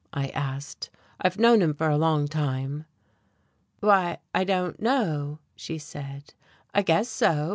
I asked. "I've known him for a long time." "Why, I don't know," she said, "I guess so.